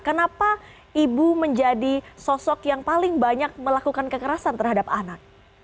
kenapa ibu menjadi sosok yang paling banyak melakukan kekerasan terhadap anak